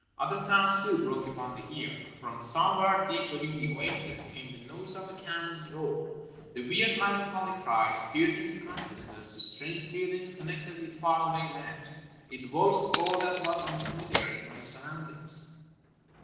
Other sounds, too, broke upon the ear. From some where deep within the oasis came the noise of a camel's roar. The weird, melancholy cry stirred into conscious ness strange feelings connected with far away lands, it voiced all that was unfamiliar in my surroundings.